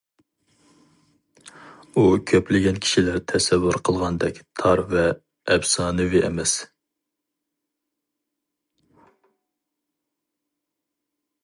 ئۇ كۆپلىگەن كىشىلەر تەسەۋۋۇر قىلغاندەك تار ۋە ئەپسانىۋى ئەمەس.